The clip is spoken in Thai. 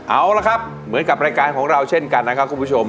เอาละครับเหมือนกับรายการของเราเช่นกันนะครับคุณผู้ชม